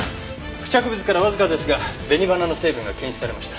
付着物からわずかですが紅花の成分が検出されました。